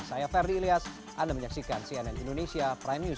saya ferdi ilyas anda menyaksikan cnn indonesia prime news